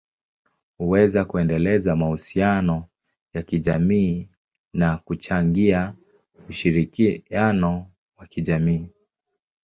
huweza kuendeleza mahusiano ya kijamii na kuchangia ushirikiano wa kijamii.